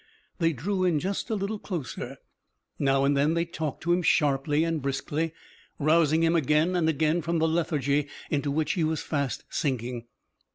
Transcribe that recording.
They drew in just a little closer. Now and then they talked to him sharply and briskly, rousing him again and again from the lethargy into which he was fast sinking.